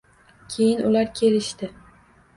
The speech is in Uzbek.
Keyin ular kelishdi